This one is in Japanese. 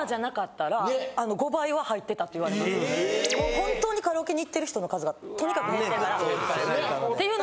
本当にカラオケに行ってる人の数がとにかく減ってるからっていうの。